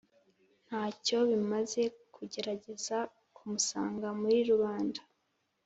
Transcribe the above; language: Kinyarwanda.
ntacyo bimaze kugerageza kumusanga muri rubanda.